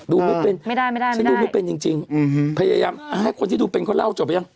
ดูไม่เป็นฉันดูไม่เป็นจริงพยายามให้คนที่ดูเป็นเขาเล่าจบยัง